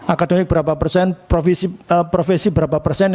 akademik berapa persen profesi berapa persen